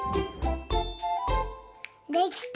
できた！